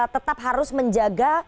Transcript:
tetap harus menjaga